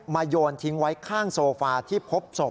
โยนทิ้งไว้ข้างโซฟาที่พบศพ